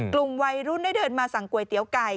กลุ่มวัยรุ่นได้เดินมาสั่งก๋วยเตี๋ยวไก่